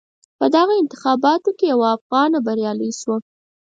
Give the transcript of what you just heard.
په دغو انتخاباتو کې یوه افغانه بریالی شوه.